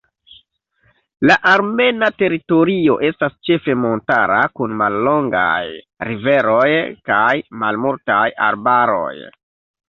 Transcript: La armena teritorio estas ĉefe montara, kun mallongaj riveroj kaj malmultaj arbaroj.